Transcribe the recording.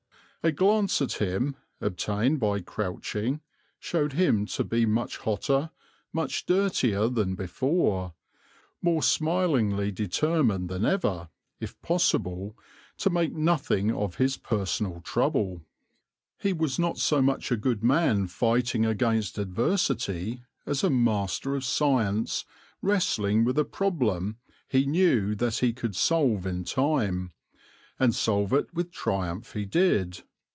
A glance at him, obtained by crouching, showed him to be much hotter, much dirtier than before, more smilingly determined than ever, if possible, to make nothing of his personal trouble. He was not so much a good man fighting against adversity as a master of science wrestling with a problem he knew that he could solve in time: and solve it with triumph he did.